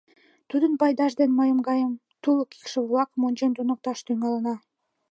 Тудын пайдаж дене мыйын гаем тулык икшыве-влакым ончен туныкташ тӱҥалына.